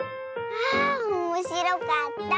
あおもしろかった。